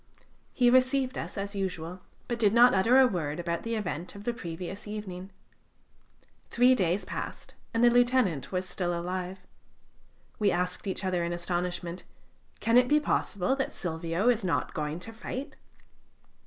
He received us as usual, but did not utter a word about the event of the previous evening. Three days passed, and the lieutenant was still alive. We asked each other in astonishment: "Can it be possible that Silvio is not going to fight?"